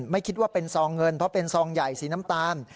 ไม่คิดว่าเป็นซองเงินเพราะเป็นซองใหญ่สีน้ำตาล